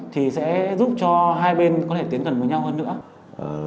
thì sẽ giúp cho hai bên có thể tiến gần với nhau hơn nữa